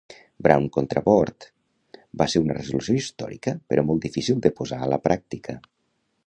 "Brown contra Board" va ser una resolució històrica però molt difícil de posar a la pràctica.